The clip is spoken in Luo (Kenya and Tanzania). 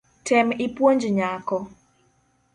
Tem ipuonj nyako